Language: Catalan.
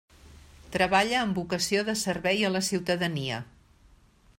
Treballa amb vocació de servei a la ciutadania.